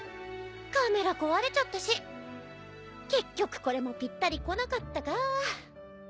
カメラ壊れちゃったし結局これもぴったりこなかったかぁ。